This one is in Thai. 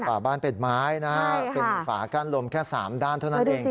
ฝาบ้านเป็นไม้นะฮะเป็นฝากั้นลมแค่๓ด้านเท่านั้นเอง